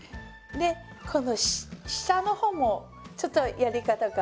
でこの下の方もちょっとやり方が変わります。